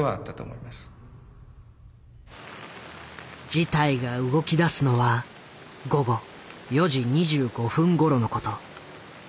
事態が動きだすのは午後４時２５分ごろのこと。